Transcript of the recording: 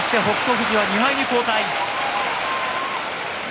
富士は２敗に後退です。